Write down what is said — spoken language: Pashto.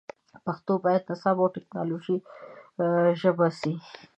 پښتو باید د نصاب او ټکنالوژۍ ژبه سي